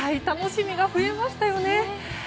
楽しみが増えましたよね。